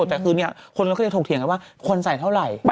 แต่คือนี้เค้าตกเถียงว่ากิจกี๊ฟ